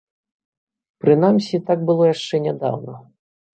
Прынамсі, так было яшчэ нядаўна.